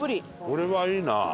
これはいいな。